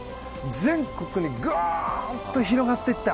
全国にぐわっと広がっていった。